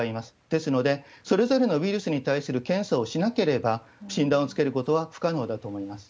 ですので、それぞれのウイルスに対する検査をしなければ、診断をつけることは不可能だと思います。